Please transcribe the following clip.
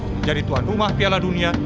menjadi tuan rumah piala dunia